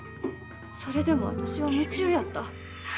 それでも私は夢中やった。